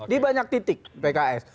di banyak titik pks